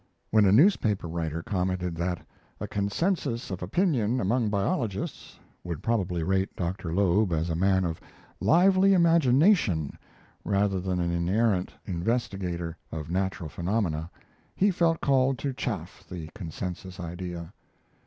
When a newspaper writer commented that a "consensus of opinion among biologists" would probably rate Dr. Loeb as a man of lively imagination rather than an inerrant investigator of natural phenomena, he felt called to chaff the consensus idea.